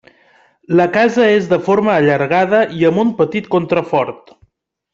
La casa és de forma allargada i amb un petit contrafort.